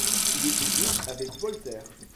Il était lié avec Voltaire.